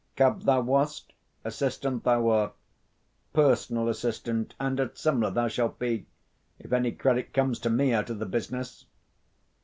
Cub thou wast; assistant thou art. Personal assistant, and at Simla, thou shalt be, if any credit comes to me out of the business!"